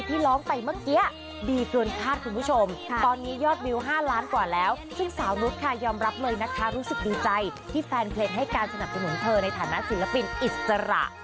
ซึ่งสาวนุษย์ค่ะยอมรับเลยนะคะรู้สึกดีใจที่แฟนเพลงให้การสนับสนุนเธอในฐานะศิลปินอิสจาระ